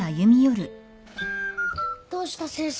どうした先生。